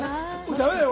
だめだよ